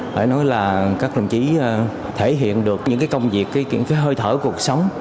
phải nói là các đồng chí thể hiện được những cái công việc những cái hơi thở cuộc sống